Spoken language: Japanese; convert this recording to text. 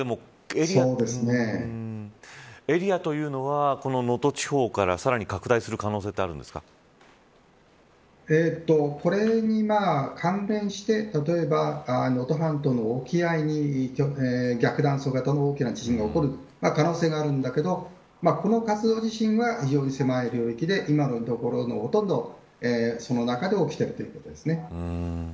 エリアというのは能登地方からさらに拡大するこれに関連して例えば能登半島の沖合に逆断層型の大きな地震が起こる可能性があるんだけどこの活動地震は非常に狭い領域で今のところ、ほとんどその中で起きているということです。